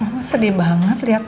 pak mama sedih banget lihat ini